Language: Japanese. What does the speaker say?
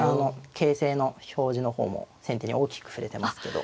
形勢の表示の方も先手に大きく振れてますけど。